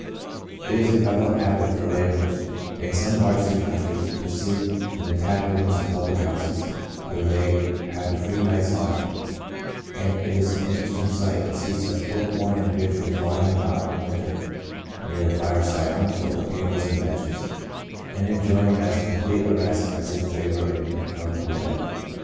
It is a prevalent habit for laborers, in some parts of the country, to sleep in the taprooms of public houses, where they have a free night's lodging ; and it is an interesting sight to see such work worn individuals lying about in winter near the fireside, on the floor, tables, and benches, and enjoying as complete a rest as if they were in a comfort able bed.